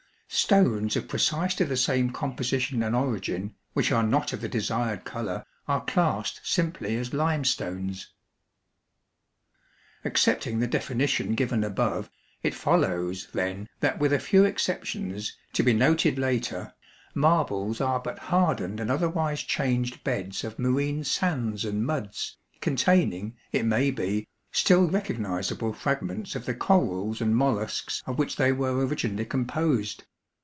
Stones of precisely the same composition and origin, which are not of the desired color, are classed simply as limestones. Accepting the definition given above, it follows, then, that with a few exceptions, to be noted later, marbles are but hardened and otherwise changed beds of marine sands and muds, containing, it may be, still recognizable fragments of the corals and mollusks of which they were originally composed.